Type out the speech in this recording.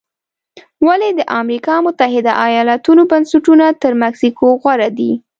ولې د امریکا متحده ایالتونو بنسټونه تر مکسیکو غوره دي؟